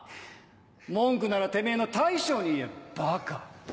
文句ならてめぇの大将に言えバカ。